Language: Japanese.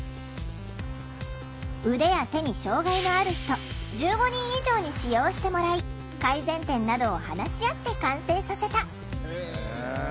腕や手に障害のある人１５人以上に使用してもらい改善点などを話し合って完成させた。